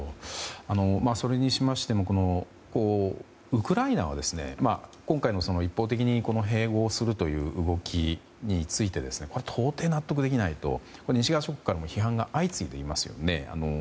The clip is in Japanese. それにしましてもウクライナは今回、一方的に併合するという動きについてこれは到底納得できないと西側諸国からも批判が相次いでいますよね。